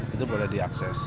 itu boleh diakses